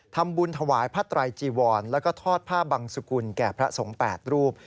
ทำบุญถวายผ้าไตรจีวรแล้วก็ทอดผ้าบังสุกุลแก่พระสงฆ์๘รูป